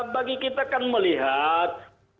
bagi kita kan melihat